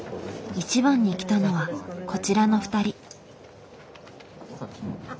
一番に来たのはこちらの２人。